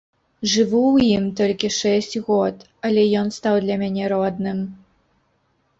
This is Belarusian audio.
Жыву ў ім толькі шэсць год, але ён стаў для мяне родным.